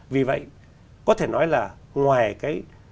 vì vậy có thể nói là ngoài cái